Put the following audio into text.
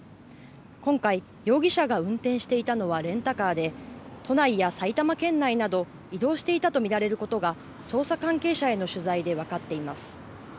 今回、容疑者が運転していたのはレンタカーで都内や埼玉県内など移動していたと見られることが捜査関係者への取材で分かっています。